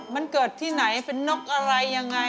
มันเกิดที่ไหนเป็นนกอะไรยังไง